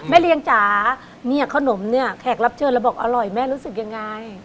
เรียงจ๋าเนี่ยขนมเนี่ยแขกรับเชิญเราบอกอร่อยแม่รู้สึกยังไง